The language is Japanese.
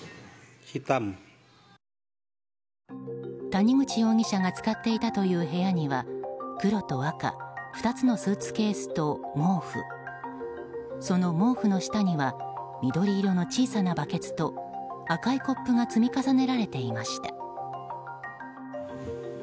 谷口容疑者が使っていたという部屋には黒と赤２つのスーツケースと毛布その毛布の下には緑色の小さなバケツと赤いコップが積み重ねられていました。